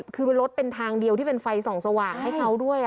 คือรถเป็นทางเดียวที่เป็นไฟส่องสว่างให้เขาด้วย